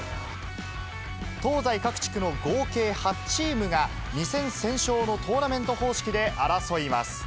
東西各地区の合計８チームが２戦先勝のトーナメント方式で争います。